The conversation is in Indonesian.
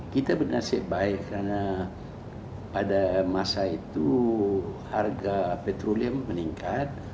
kita bernasib baik karena pada masa itu harga petrolium meningkat